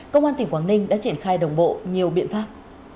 công an tỉnh quảng ninh đã triển khai đồng bộ nhiều biện pháp